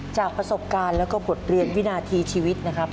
จากประสบการณ์แล้วก็บทเรียนวินาทีชีวิตนะครับ